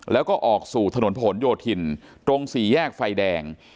แล้วก็ออกสู่ถนนผนโยธินตรงสี่แยกไฟแดง